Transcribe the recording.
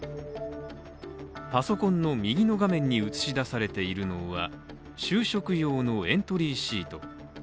パソコンの右の画面に映し出されているのは就職用のエントリーシート。